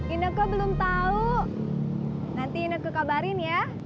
ineke belum tahu nanti ineke kabarin ya